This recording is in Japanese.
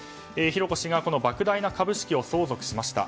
浩子氏が莫大な株式を相続しました。